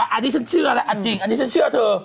อันนี้ฉันเชื่อแล้วอันจริงอันนี้ฉันเชื่อเธอ